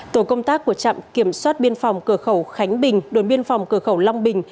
tổ công tác của trạm kiểm soát biên phòng cửa khẩu khánh bình đồn biên phòng cửa khẩu long bình